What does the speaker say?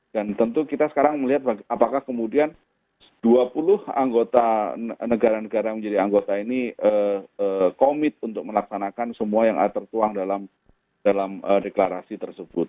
dan tentu kita sekarang melihat apakah kemudian dua puluh anggota negara negara yang menjadi anggota ini komit untuk melaksanakan semua yang ada tertuang dalam deklarasi tersebut